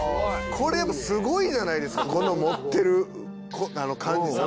これすごいじゃないですかこの持ってる感じさん